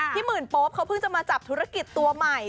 หมื่นโป๊ปเขาเพิ่งจะมาจับธุรกิจตัวใหม่